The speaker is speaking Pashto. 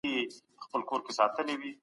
تاسو په ټولنه کي ښه نوم ګټلی دی.